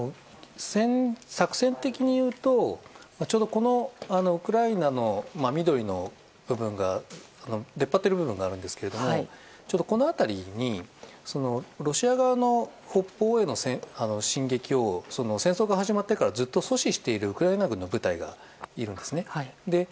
作戦的にいうとちょうどウクライナの緑の部分出っ張っている部分があるんですけどこの辺りにロシア側の北方への進撃を戦争が始まってからずっと阻止しているウクライナ軍の部隊がいるんですね。